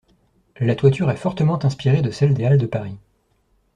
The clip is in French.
La toiture est fortement inspirée de celle des halles de Paris.